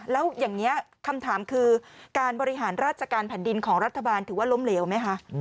แล้วอย่างนี้คำถามคือการบริหารราชการแผ่นดินของรัฐบาลถือว่าล้มเหลวไหมคะ